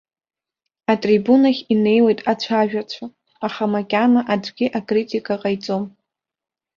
Атрибунахь инеиуеит ацәажәацәа, аха макьана аӡәгьы акритика ҟаиҵом.